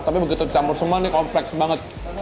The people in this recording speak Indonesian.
tapi begitu ditambah semua ini kompleks sekali